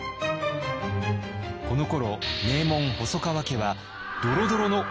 このころ名門細川家はドロドロのお家騒動